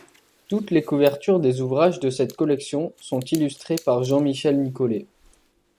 Toutes les couvertures des ouvrages de cette collection sont illustrées par Jean-Michel Nicollet.